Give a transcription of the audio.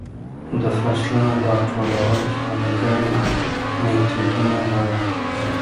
د فصلو راټولول ځانګړې میتودونه غواړي.